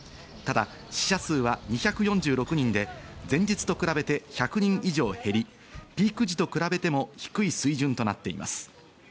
ただ、死者数は２４６人で前日と比べて１００人以上減り、ピーク時と比べても低い水準となっています。